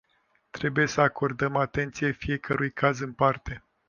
Trebuie să acordăm atenție fiecărui caz în parte.